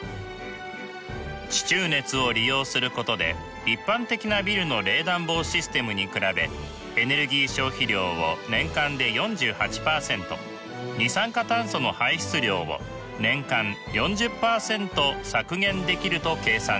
地中熱を利用することで一般的なビルの冷暖房システムに比べエネルギー消費量を年間で４８％二酸化炭素の排出量を年間４０％削減できると計算しています。